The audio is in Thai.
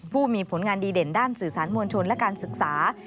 ผู้มีผลงานดีเด่นด้านสื่อสารมวลชนและการศึกษา